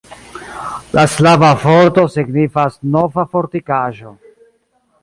La slava vorto signifas Nova fortikaĵo.